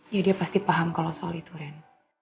ya dia pasti paham kalau soal itu ren